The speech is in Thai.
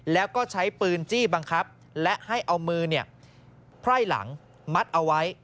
แล้วก็ใช้ปืนจี้บังคับและให้เอามือไพร่หลังมัดเอาไว้